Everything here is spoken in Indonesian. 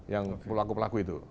yang pelaku pelaku itu